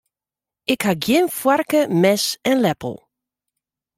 Ik ha gjin foarke, mes en leppel.